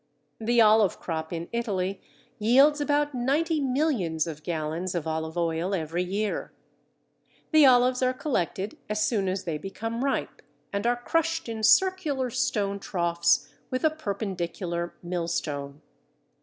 The olive crop in Italy yields about ninety millions of gallons of olive oil every year. The olives are collected as soon as they become ripe, and are crushed in circular stone troughs with a perpendicular millstone.